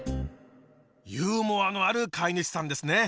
ユーモアのある飼い主さんですね！